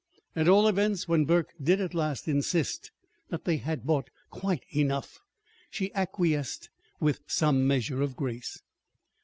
At all events, when Burke did at last insist that they had bought quite enough, she acquiesced with some measure of grace.